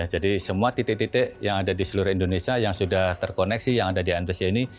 jadi semua titik titik yang ada di seluruh indonesia yang sudah terkoneksi enggak ada di antc ini